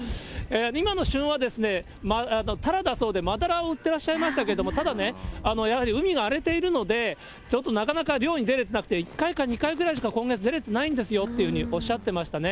今の旬はタラだそうで、マダラを売ってらっしゃいましたけれども、ただね、やはり海が荒れているので、ちょっとなかなか漁に出れてなくて、１回か２回ぐらいしか今月出れてないんですよというふうにおっしゃってましたね。